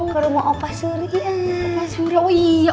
ke rumah opa surian